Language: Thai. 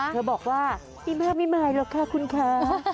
เธอบอกว่าไม่มากหรอกค่ะคุณค้า